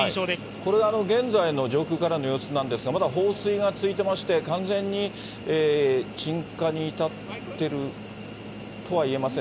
これ、現在の上空からの様子なんですが、まだ放水が続いてまして、完全に鎮火に至ってるとは言えません。